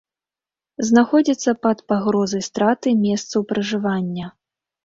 Знаходзіцца пад пагрозай страты месцаў пражывання.